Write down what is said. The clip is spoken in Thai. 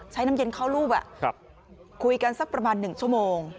น้ำเย็นเข้ารูปคุยกันสักประมาณ๑ชั่วโมง